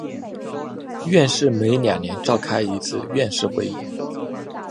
院士每两年召开一次院士会议。